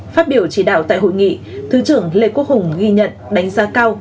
phát biểu chỉ đạo tại hội nghị thứ trưởng lê quốc hùng ghi nhận đánh giá cao